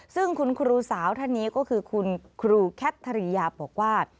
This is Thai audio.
ซึ่งคุณครูสาวท่านนี้ก็คือคุณครูแคทริยาบอกว่า